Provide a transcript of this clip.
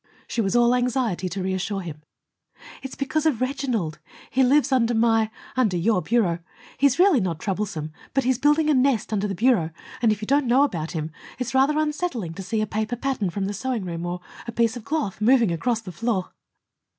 She was all anxiety to reassure him: "It's because of Reginald. He lives under my under your bureau. He's really not troublesome; but he's building a nest under the bureau, and if you don't know about him, it's rather unsettling to see a paper pattern from the sewing room, or a piece of cloth, moving across the floor."